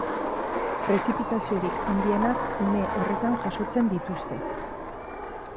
Prezipitaziorik handienak une horretan jasotzen dituzte.